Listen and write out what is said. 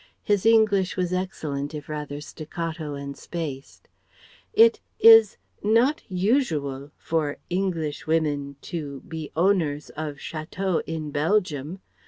(His English was excellent, if rather staccato and spaced.) "It ... is ... not ... usual ... for ... Englishwomen ... to ... be owners ... of chateaux ... in Belgium.